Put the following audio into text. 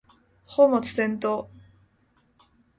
本末転倒